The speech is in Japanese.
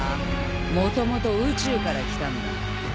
もともと宇宙から来たんだ。